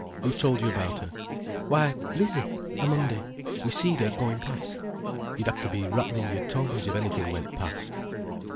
"Who told you about her?" "Why, Lizzie—a Monday—we seed her goin' past." "You'd have to be rattling your tongues if anything went past."